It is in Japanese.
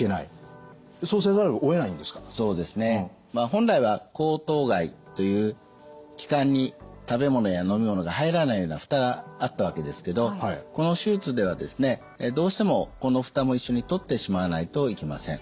本来は喉頭蓋という気管に食べ物や飲み物が入らないような蓋があったわけですけどこの手術ではですねどうしてもこの蓋も一緒に取ってしまわないといけません。